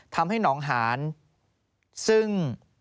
ทำให้หนองหานซึ่ง